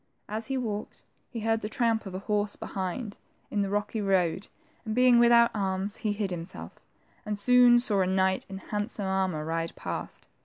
As he walked, he heard the tramp of a horse behind, in the rocky road, and being without arms, he hid himself, and soon saw a knight in handsome, armor ride past.